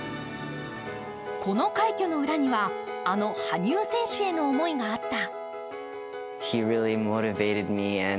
この快挙の裏にはあの羽生選手への思いがあった。